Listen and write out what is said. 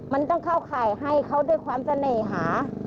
มันต้องเข้าข่ายให้เขาด้วยความเสน่หา